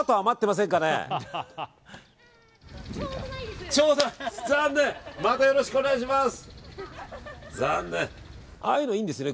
またよろしくお願いします。